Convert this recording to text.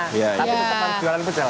tapi tetep harus jualan pecel